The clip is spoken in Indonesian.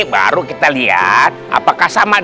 baru kita liat apakah sama di